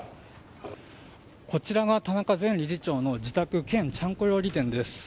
こちらが田中前理事長の自宅兼ちゃんこ料理店です。